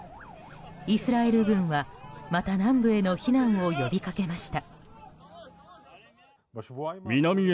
イスラエル軍はまた南部への避難を呼びかけました。